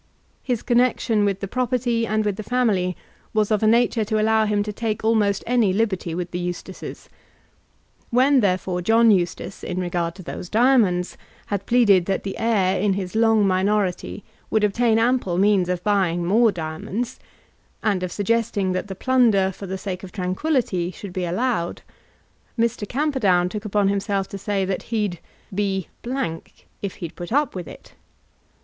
His connexion with the property and with the family was of a nature to allow him to take almost any liberty with the Eustaces. When therefore John Eustace, in regard to those diamonds, had pleaded that the heir in his long minority would obtain ample means of buying more diamonds, and of suggesting that the plunder for the sake of tranquillity should be allowed, Mr. Camperdown took upon himself to say that he'd "be if he'd put up with it!"